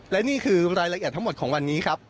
และนี่คือรายละเอียดทั้งหมดของวันนี้ครับ